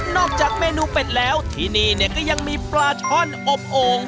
จากเมนูเป็ดแล้วที่นี่เนี่ยก็ยังมีปลาช่อนอบโอ่ง